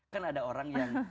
kan ada orang yang